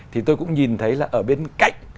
thì tôi cũng nhìn thấy là ở bên cạnh